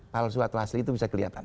palsu atau asli itu bisa kelihatan